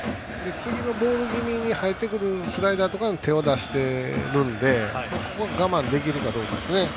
次のボール気味に入ってくるところに手を出しているので、ここを我慢できるかですね。